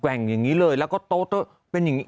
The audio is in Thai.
่งอย่างนี้เลยแล้วก็โต๊ะเป็นอย่างนี้